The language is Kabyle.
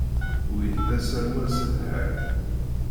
Win d asaru asedhay.